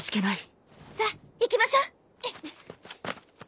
さっ行きましょう。